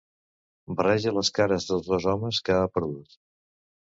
Barreja les cares dels dos homes que ha perdut.